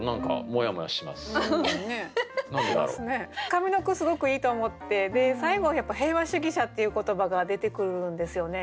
上の句すごくいいと思って最後やっぱ「平和主義者」っていう言葉が出てくるんですよね。